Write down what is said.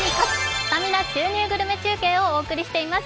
スタミナグルメ中継をお送りしています。